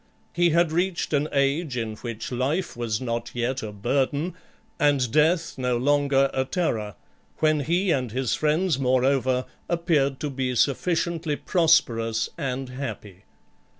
He had reached an age in which life was not yet a burden, and death no longer a terror; when he and his friends, moreover, appeared to be sufficiently prosperous and happy.